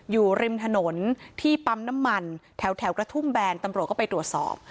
อยู่ริมถนนที่ปั๊มน้ำมันแถวกระทุ่มแบนตำรวจก็ไปตรวจสอบ